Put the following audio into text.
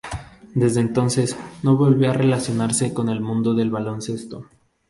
Desde entonces no volvió a relacionarse con el mundo del baloncesto.